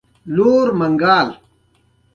د سالنګ لاره په ژمي کې ولې بندیږي؟